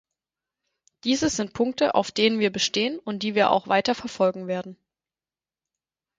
Dieses sind Punkte, auf denen wir bestehen und die wir auch weiter verfolgen werden.